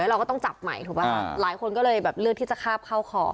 เราก็ต้องจับใหม่ถูกป่ะคะหลายคนก็เลยแบบเลือกที่จะคาบเข้าคอ